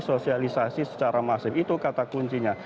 sosialisasi secara masif itu kata kuncinya